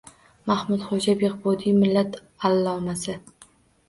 Mahmudxo‘ja Behbudiy – millat allomasi